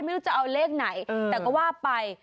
ไม่รู้จะเอาเลขไหนแต่ก็ว่าไป